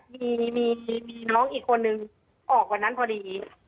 มีมีน้องอีกคนนึงออกวันนั้นพอดี